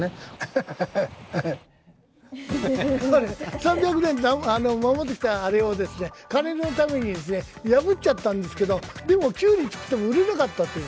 ３００年守ってきたあれを金のために破っちゃったんですけどでも、キュウリを作っても売れなかったという。